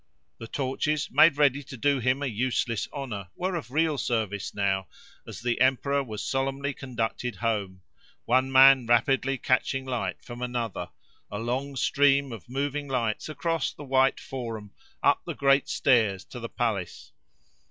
The torches, made ready to do him a useless honour, were of real service now, as the emperor was solemnly conducted home; one man rapidly catching light from another—a long stream of moving lights across the white Forum, up the great stairs, to the palace.